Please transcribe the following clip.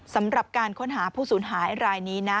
สำหรับการค้นหาผู้สูญหายรายนี้นะ